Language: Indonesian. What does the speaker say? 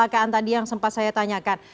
kecelakaan tadi yang sempat saya tanyakan